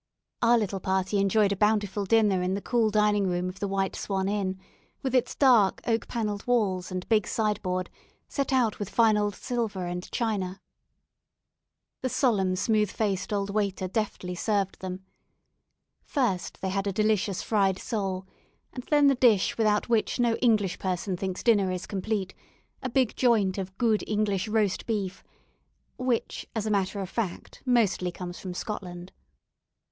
Our little party enjoyed a bountiful dinner in the cool dining room of the "White Swan Inn," with its dark, oak panelled walls, and big sideboard, set out with fine old silver and china. The solemn, smooth faced old waiter deftly served them. First they had a delicious fried sole, and then the dish without which no English person thinks dinner is complete, a big joint of good English roast beef, which as a matter of fact mostly comes from Scotland.